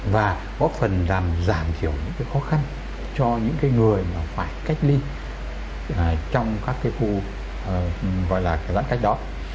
và góp phần làm giảm thiểu những cái khó khăn cho những người mà phải cách ly trong các khu gọi là giãn cách đó